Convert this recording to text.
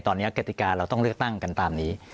ตอนนี้กติกาเราต้องเลือกตั้งกันตามนี้